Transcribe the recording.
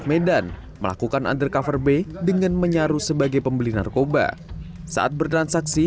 medan melakukan undercover by dengan menyaru sebagai pembeli narkoba saat bertransaksi